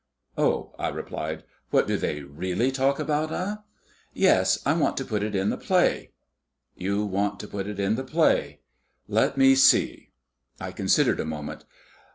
"Oh!" I replied, "what do they really talk about, eh?" "Yes. I want to put it in the play." "You want to put it in the play? Let me see." I considered a moment.